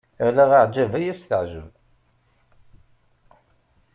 Ala aɛjab ay as-teɛjeb.